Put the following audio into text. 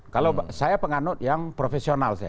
kalau saya penganut yang profesional saya